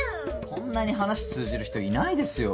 こんなに話通じる人いないですよ。